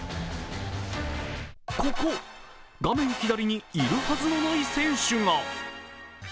ここ、画面左にいるはずのない選手が！